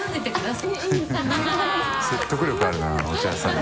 説得力あるなお茶屋さんの。